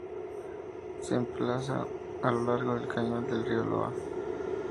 Se emplaza a lo largo del cañón del río Loa.